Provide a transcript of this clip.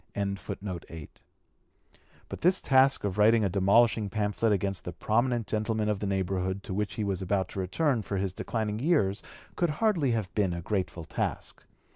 ] But this task of writing a demolishing pamphlet against the prominent gentlemen of the neighborhood to which he was about to return for his declining years could hardly have been a grateful task.